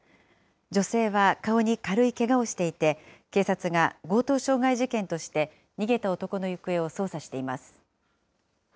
女性は顔に軽いけがをしていて、警察が強盗傷害事件として逃げた男の行方を捜査しています。